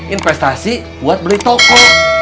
investasi buat beli toko